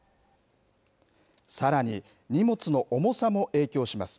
さらに、荷物の重さも影響します。